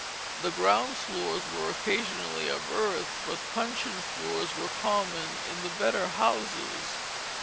The ground floors were occasionally of earth, but puncheon floors were common in the better houses.